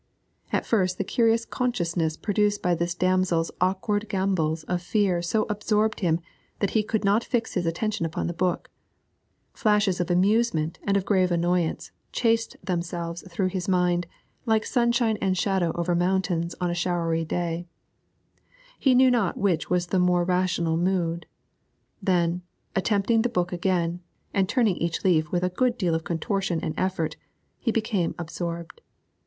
At first the curious consciousness produced by this damsel's awkward gambols of fear so absorbed him that he could not fix his attention upon the book; flashes of amusement and of grave annoyance chased themselves through his mind like sunshine and shadow over mountains on a showery day; he knew not which was the more rational mood. Then, attempting the book again, and turning each leaf with a good deal of contortion and effort, he became absorbed.